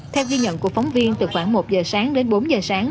theo ghi nhận của phóng viên từ khoảng một giờ sáng đến bốn giờ sáng